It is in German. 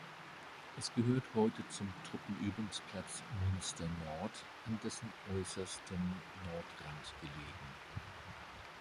Es gehört heute zum Truppenübungsplatz Munster-Nord, an dessen äußerstem Nordrand gelegen.